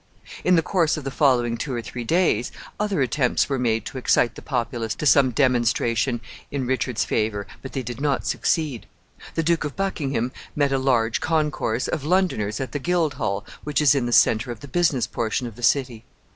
In the course of the following two or three days, other attempts were made to excite the populace to some demonstration in Richard's favor, but they did not succeed. The Duke of Buckingham met a large concourse of Londoners at the Guildhall, which is in the centre of the business portion of the city.